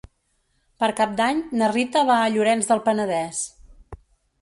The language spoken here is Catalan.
Per Cap d'Any na Rita va a Llorenç del Penedès.